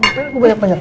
kenapa aku banyak banyak